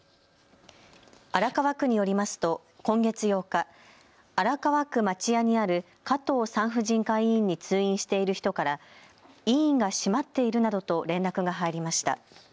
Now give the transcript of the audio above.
荒川区によりますと今月８日、荒川区町屋にある加藤産婦人科医院に通院している人から医院が閉まっているなどと連絡が入りました。